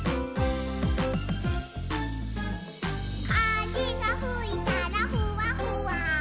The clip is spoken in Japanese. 「かぜがふいたらふわふわ」